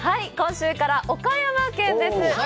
今週から岡山県です。